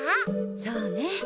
そうね